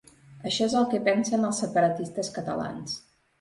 Això és el que pensen els separatistes catalans.